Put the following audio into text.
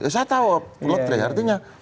saya tahu lotre artinya